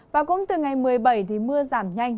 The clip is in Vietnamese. và cũng từ ngày một mươi bảy thì mưa giảm nhanh